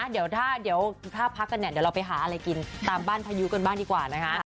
เดี๋ยวถ้าพักกันเราไปหาอะไรกินตามบ้านภายุกันบ้างดีกว่า